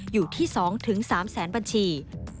อยู่ที่๒๓แสนบัญชี